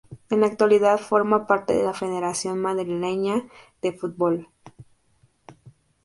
En la actualidad, forma parte de la Federación Madrileña de Fútbol.